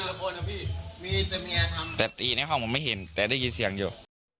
มีแต่มีอาธรรมแต่ตีในห้องผมไม่เห็นแต่ได้ยินเสียงอยู่